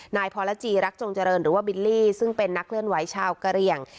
นายพรจีรักจงเจริญหรือว่าบิลลี่ซึ่งเป็นนักเลื่อนไหวชาวกะเหลี่ยง